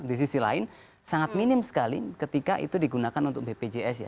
di sisi lain sangat minim sekali ketika itu digunakan untuk bpjs ya